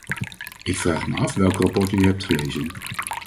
Ik vraag mij af welk rapport u hebt gelezen.